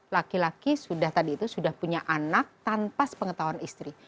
laki laki sudah tadi itu sudah punya anak tanpa sepengetahuan istri